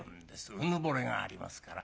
うぬぼれがありますから。